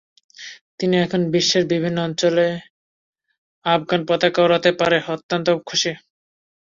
তিনি এখন বিশ্বের বিভিন্ন অঞ্চলে আফগান পতাকা ওড়াতে পেরে অত্যন্ত খুশি।